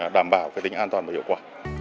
đảm bảo tính an toàn và hiệu quả